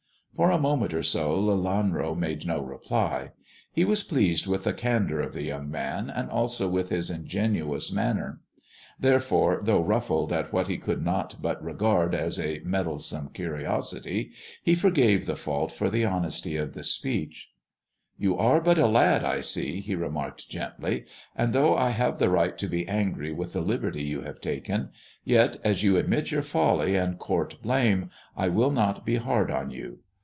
For a moment or so Lelanro made no reply. He was pleased with the candour of the young man, and also with his ingenuous manner ; therefore, though ruffled at what be could not but regard as a meddlesome curiosity, he forgave the fault for the honesty of the speech. " You are but a lad, I see," he remarked gently, " and though I have the right to be angry with the liberty you have taken, yet, as you admit your folly and court blame, I will not be hard on you.